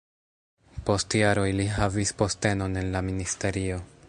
Post jaroj li havis postenon en la ministerio.